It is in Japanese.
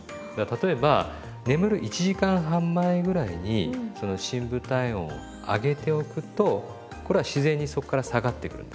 例えば眠る１時間半前ぐらいにその深部体温を上げておくとこれは自然にそこから下がってくるんです。